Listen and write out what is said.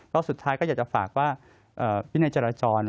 ก็สุดท้ายก็อยากจะฝากว่าวินัยจราจร